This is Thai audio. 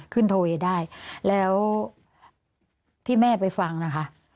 ขึ้นทะเวได้แล้วที่แม่ไปฟังนะคะ